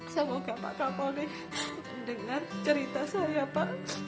semoga pak kapolri mendengar cerita saya pak